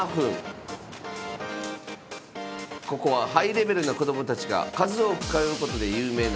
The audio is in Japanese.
ここはハイレベルな子供たちが数多く通うことで有名な将棋サロン。